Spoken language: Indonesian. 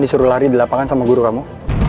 disuruh lari di lapangan sama guru kamu